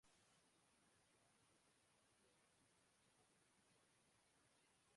প্রায়শই তাতে কানে তালা লেগে যেত।